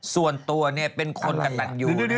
ส่วนตัวเป็นคนอยู่